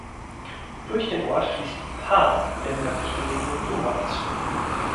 Durch den Ort fließt die Paar der nördlich gelegenen Donau zu.